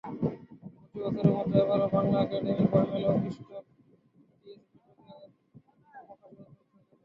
প্রতি বছরের মতো এবারের বাংলা একাডেমির বইমেলায়ও স্টল দিয়েছে চট্টগ্রামের প্রকাশনা সংস্থাগুলো।